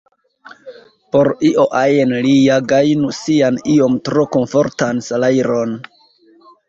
Por io ajn li ja gajnu sian iom tro komfortan salajron.